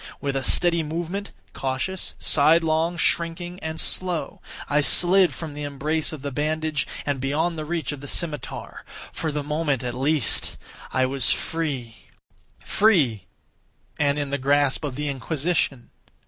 With a steady movement—cautious, sidelong, shrinking, and slow—I slid from the embrace of the bandage and beyond the reach of the scimitar. For the moment, at least, I was free. Free!—and in the grasp of the Inquisition!